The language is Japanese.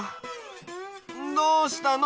どうしたの？